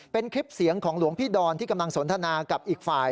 เป็นคลิปเสียงของหลวงพี่ดอนที่กำลังสนทนากับอีกฝ่าย